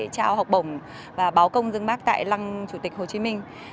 trao học bổng và báo công dân bác tại lăng chủ tịch hồ chí minh